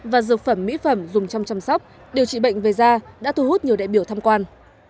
và dược phẩm mỹ phẩm dùng trong chăm sóc điều trị bệnh về da đã thu hút nhiều đại biểu tham quan